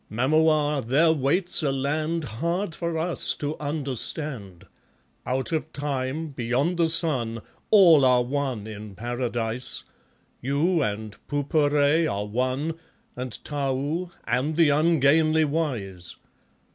Mamua, there waits a land Hard for us to understand. Out of time, beyond the sun, All are one in Paradise, You and Pupure are one, And Tau, and the ungainly wise.